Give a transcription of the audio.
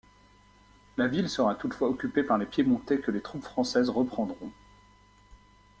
La ville sera toutefois occupée par les Piémontais que les troupes françaises reprendront.